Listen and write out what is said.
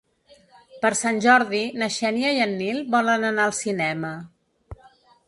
Per Sant Jordi na Xènia i en Nil volen anar al cinema.